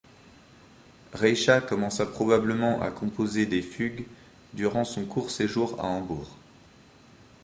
Reicha commença probablement à composer des fugues durant son court séjour à Hambourg.